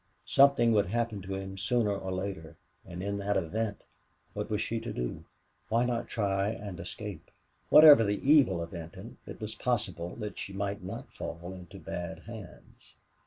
Something would happen to him sooner or later, and in that event what was she to do? Why not try and escape? Whatever the evil of Benton, it was possible that she might not fall into bad hands.